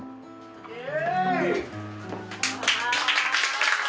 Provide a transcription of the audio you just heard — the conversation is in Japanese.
・イエーイ！